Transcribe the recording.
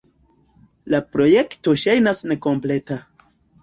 La projekto ŝajnas nekompleta.